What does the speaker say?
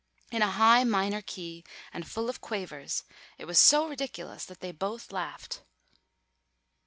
In a high minor key and full of quavers, it was so ridiculous that they both laughed.